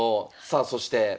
さあそして。